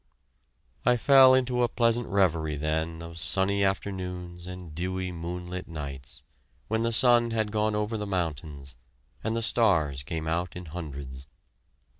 I fell into a pleasant reverie then of sunny afternoons and dewy moonlit nights, when the sun had gone over the mountains, and the stars came out in hundreds.